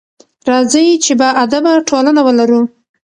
راځئ چې باادبه ټولنه ولرو.